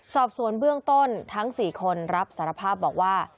สอบสวนเบื้องต้นทั้ง๔คนรับสารภาพบอกว่า